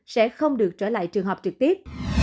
sẽ không được trở lại trường học trực tiếp